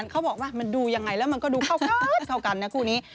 เค้าบอกว่ามันดูด้วยแล้วดูเข้ากันนะครูนี้